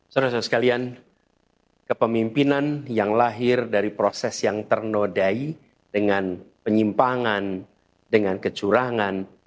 saudara saudara sekalian kepemimpinan yang lahir dari proses yang ternodai dengan penyimpangan dengan kecurangan